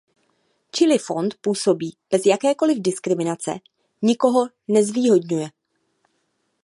Čili fond působí bez jakékoliv diskriminace, nikoho nezvýhodňuje.